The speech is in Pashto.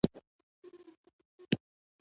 د غاښونو قوي جوړښت د ښه روغتیا نښه ده.